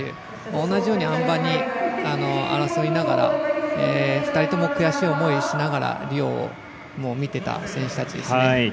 同じようにあん馬、争いながら２人とも悔しい思いをしながらリオを見ていた選手たちですね。